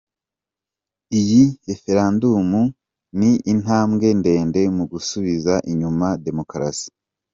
Iyi Referandumu ni intambwe ndende mu gusubiza inyuma Demokarasi.